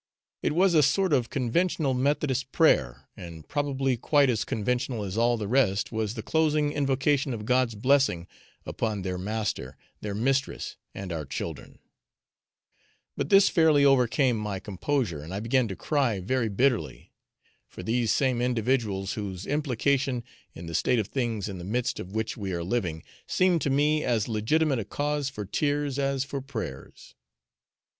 It was a sort of conventional methodist prayer, and probably quite as conventional as all the rest was the closing invocation of God's blessing upon their master, their mistress, and our children; but this fairly overcame my composure, and I began to cry very bitterly; for these same individuals, whose implication in the state of things in the midst of which we are living, seemed to me as legitimate a cause for tears as for prayers.